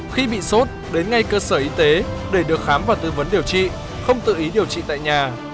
khi bị sốt đến ngay cơ sở y tế để được khám và tư vấn điều trị không tự ý điều trị tại nhà